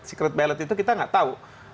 secret pilot itu kita nggak tahu